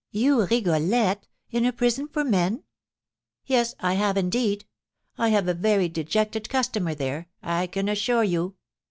"You, Rigolette, in a prison for men?" "Yes, I have, indeed. I have a very dejected customer there, I can assure you.